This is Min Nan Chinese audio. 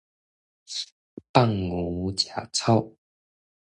放牛食草